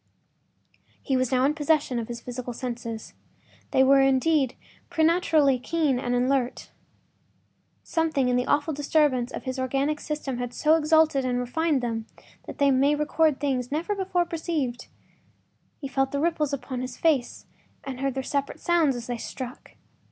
He was now in full possession of his physical senses. They were, indeed, preternaturally keen and alert. Something in the awful disturbance of his organic system had so exalted and refined them that they made record of things never before perceived. He felt the ripples upon his face and heard their separate sounds as they struck.